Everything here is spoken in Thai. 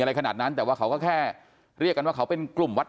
อะไรขนาดนั้นแต่ว่าเขาก็แค่เรียกกันว่าเขาเป็นกลุ่มวัด